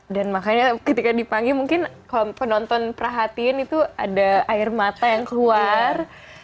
dan makanya ketika dipanggil mungkin penonton perhatian itu ada air mata yang keluar